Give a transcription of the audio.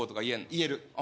言える。